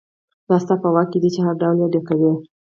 دا ستا په واک کې دي چې هر ډول یې ډکوئ.